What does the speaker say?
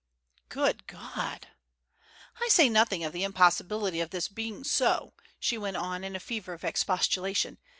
"Good God!" "I say nothing of the impossibility of this being so," she went on in a fever of expostulation.